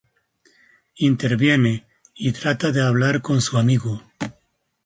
Interviene, y trata de hablar con su amigo.